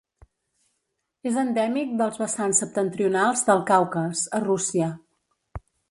És endèmic dels vessants septentrionals del Caucas, a Rússia.